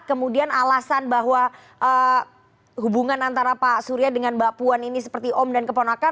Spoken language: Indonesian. kemudian alasan bahwa hubungan antara pak surya dengan mbak puan ini seperti om dan keponakan